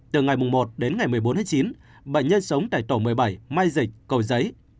từ ngày một đến ngày một mươi bốn tháng chín bệnh nhân sống tại tổ một mươi bảy mai dịch cầu giấy